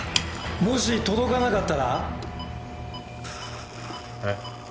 「もし届かなかったら？」えっ？